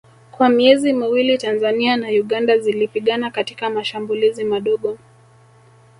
Kwa miezi miwili Tanzania na Uganda zilipigana katika mashambulizi madogo